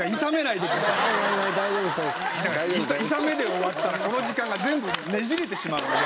いさめで終わったらこの時間が全部ねじれてしまうので。